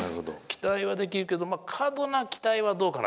期待はできるけどまあ過度な期待はどうかなという。